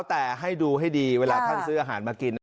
แต่ให้ดูให้ดีเวลาท่านซื้ออาหารมากิน